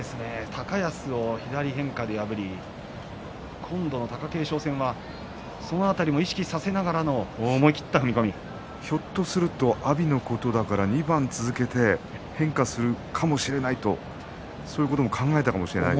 高安を左変化で破り今度の貴景勝戦はその辺りも意識させながらのひょっとすると阿炎のことだから２番続けて変化するかもしれないとそういうことも考えたかもしれない。